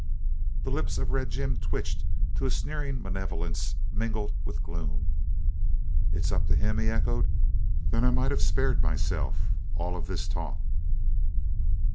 The lips of Red Jim twitched to a sneering malevolence mingled with gloom. "It's up to him?" he echoed. "Then I might of spared myself all of this talk."